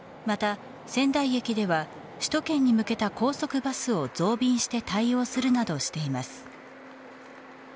また、仙台駅では首都圏に向けた高速バスを増便して対応するなどしています。